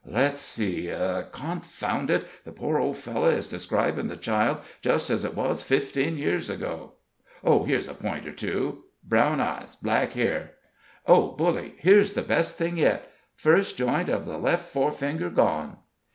Let's see confound it! the poor old fellow is describing the child just as it was fifteen years ago. Oh, here's a point or two! 'brown eyes, black hair' oh, bully! here's the best thing yet! 'first joint of the left fore finger gone.'"